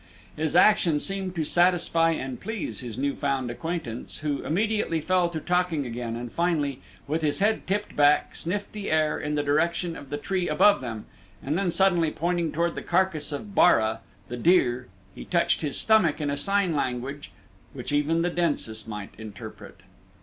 His action seemed to satisfy and please his new found acquaintance, who immediately fell to talking again and finally, with his head tipped back, sniffed the air in the direction of the tree above them and then suddenly pointing toward the carcass of Bara, the deer, he touched his stomach in a sign language which even the densest might interpret.